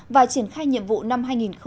và triển khai nhiệm vụ năm hai nghìn một mươi chín